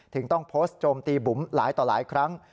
ต้องโพสต์โจมตีบุ๋มหลายต่อหลายครั้ง